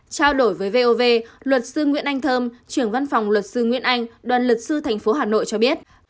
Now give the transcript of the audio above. trao đổi với vov luật sư nguyễn anh thơm trưởng văn phòng luật sư nguyễn anh đoàn luật sư thành phố hà nội cho biết